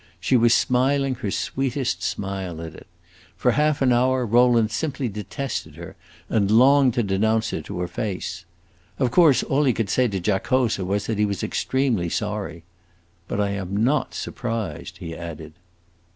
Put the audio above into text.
She was smiling her sweetest smile at it! For half an hour Rowland simply detested her, and longed to denounce her to her face. Of course all he could say to Giacosa was that he was extremely sorry. "But I am not surprised," he added.